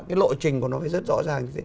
cái lộ trình của nó phải rất rõ ràng